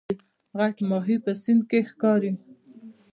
غټ ماهی په سیند کې ښکاري